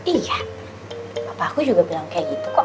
iya papa aku juga bilang kayak gitu kok